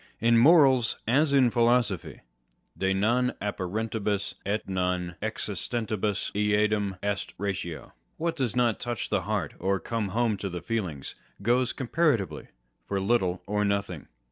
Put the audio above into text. In morals, as in philosophy, De non ajppa rentibus et non existentibus eadem est ratio. What does not touch the heart, or come home to the feelings, goes com paratively for little or nothing.